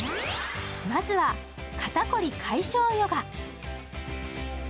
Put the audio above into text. まずは肩凝り解消ヨガ。